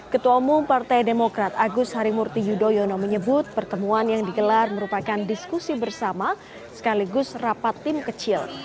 ketua umum partai demokrat agus harimurti yudhoyono menyebut pertemuan yang digelar merupakan diskusi bersama sekaligus rapat tim kecil